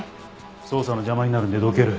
捜査の邪魔になるんでどける。